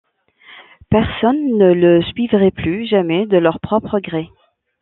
Personne ne le suivrait plus jamais de leur propre gré.